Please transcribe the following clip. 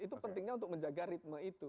itu pentingnya untuk menjaga ritme itu